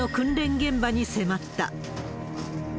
現場に迫った。